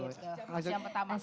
yang pertama hasilnya masih bagus